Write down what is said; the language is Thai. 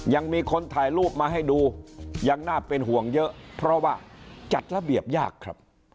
ยังมีคนถ่ายรูปมาให้ดูยังน่าเป็นห่วงเยอะเพราะว่าจัดระเบียบยากครับ